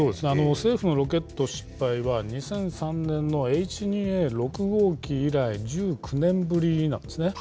政府のロケット失敗は、２００３年のＨ２Ａ６号機以来、１９年ぶりなんですね。